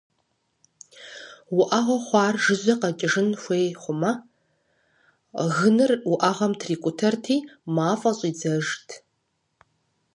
Уӏэгъэ хъуар жыжьэ къэкӏуэжын хуей хъумэ, гыныр уӏэгъэм трикӏутэрти мафӏэ щӏидзэжт.